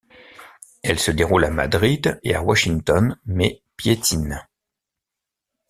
Elles se déroulent à Madrid et à Washington mais piétinent.